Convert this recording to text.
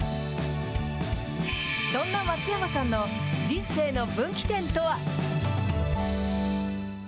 そんな松山さんの人生の分岐点とは。